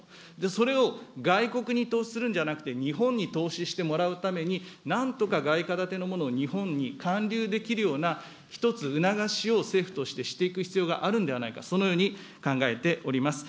それを外国に投資するんじゃなくて、日本に投資してもらうために、なんとか外貨建てのものを日本に還流できるような、一つ、促しを政府としてしていく必要があるんではないか、そのように考えております。